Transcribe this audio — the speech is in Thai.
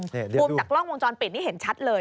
มุมจากกล้องวงจรปิดนี่เห็นชัดเลย